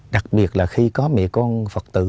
đặc biệt là khi có mẹ con phật tử